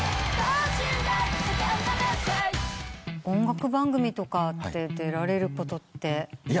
音楽番組とかって出られることって？